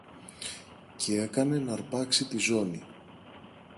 Κι έκανε ν' αρπάξει τη ζώνη.